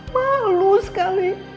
mama malu sekali